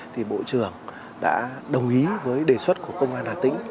thì bộ trưởng đã đồng ý với đề xuất của công an hà tĩnh